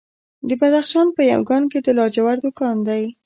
د بدخشان په یمګان کې د لاجوردو کان دی.